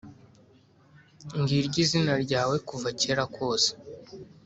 ng’iryo izina ryawe, kuva kera kose.